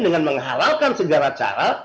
dengan menghalalkan segala cara